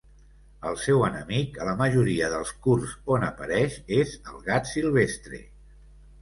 El seu enemic a la majoria dels curts on apareix és El gat Silvestre.